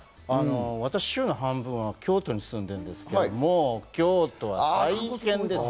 私、週の半分は京都に住んでいるんですけれども、京都は大変です。